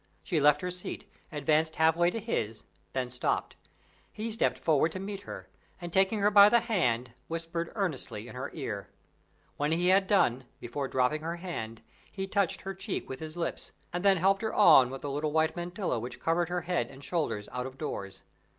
She left her seat, advanced half way to his, then stopped. He stepped forward to meet her, and, taking her by the hand, whispered earnestly in her ear. When he had done, before dropping her hand, he touched her cheek with his lips, and then helped her on with the little white mantilla which covered her head and shoulders out of doors.